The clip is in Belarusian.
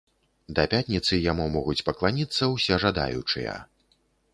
Да пятніцы яму могуць пакланіцца ўсе жадаючыя.